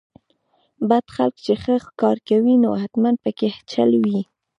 بد خلک چې ښه کار کوي نو حتماً پکې چل وي.